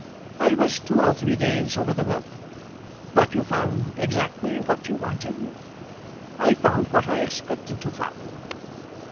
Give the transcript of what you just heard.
"I was two or three days over the work." "But you found exactly what you wanted?" "I found what I expected to find."